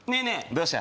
どうした？